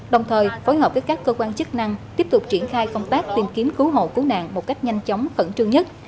đồng thời phối hợp với các cơ quan chức năng tiếp tục triển khai công tác tìm kiếm cứu hộ cứu nạn một cách nhanh chóng khẩn trương nhất